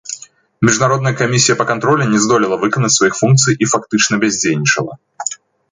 Міжнародная камісія па кантролі не здолела выканаць сваіх функцый і фактычна бяздзейнічала.